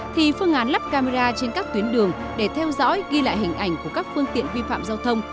thì phương án lắp camera trên các tuyến đường để theo dõi ghi lại hình ảnh của các phương tiện vi phạm giao thông